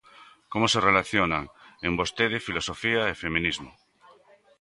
Como se relacionan en vostede filosofía e feminismo?